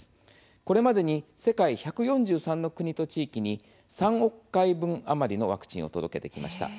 これまでに世界１４３の国と地域に３億回分余りのワクチンを届けてきました。